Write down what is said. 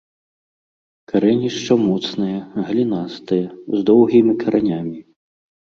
Карэнішча моцнае, галінастае, з доўгімі каранямі.